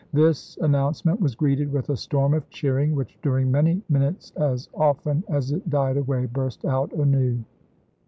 This announcement was greeted with a storm of cheering, which during many min utes as often as it died away burst out anew.